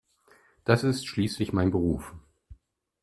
Das ist schließlich mein Beruf.